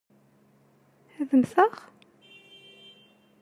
Ad mmteɣ?